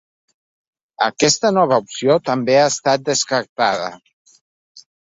Aquesta nova opció també ha estat descartada.